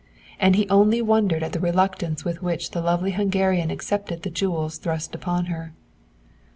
And he only wondered at the reluctance with which the lovely Hungarian accepted the jewels thrust upon her.